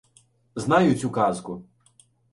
— Знаю цю казку.